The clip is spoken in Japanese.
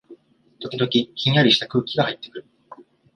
時々、ひんやりした空気がはいってくる